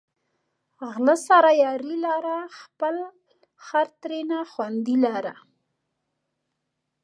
غله سره یاري لره، خپل خر ترېنه خوندي لره